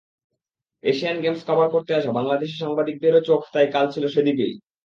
Asian games cover করতে আসা বাংলাদেশি সাংবাদিকদের চোখও তাই কাল ছিল সেদিকেই।